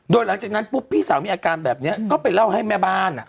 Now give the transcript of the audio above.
โดยหลังจากนั้นปุ๊บพี่สาวมีอาการแบบนี้ก็ไปเล่าให้แม่บ้าน